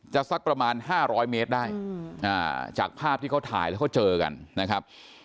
สักประมาณ๕๐๐เมตรได้จากภาพที่เขาถ่ายแล้วเขาเจอกันนะครับ